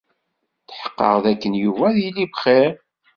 Tḥeqqeɣ dakken Yuba ad yili bxir.